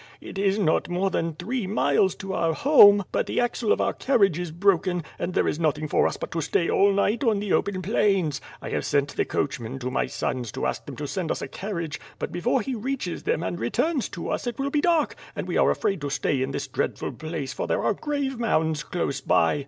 It is not more than three^ miles to our home, but the s A Russian mUe is eqniyalent to nearly five American miles. WITH FIRE AND SWORD. 41 axle of our carriage is broken, and there is nothing for us but to stay all night o»n the open plains. I have sent the coachman to my sons to ask them to send us a carriage; but before he reaches them and returns to us, it will be dark, and we are afraid to stay in this dreadful place, for there are grave mounds close by.